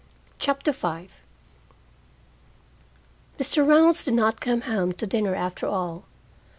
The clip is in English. CHAPTER V Mr. Reynolds did not come home to dinner after all.